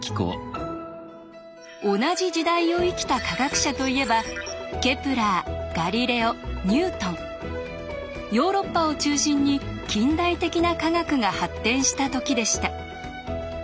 同じ時代を生きた科学者といえばヨーロッパを中心に近代的な科学が発展した時でした。